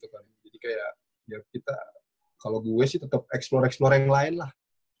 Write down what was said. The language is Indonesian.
jadi kayak ya kita kalau gue sih tetep explore explore yang lain lah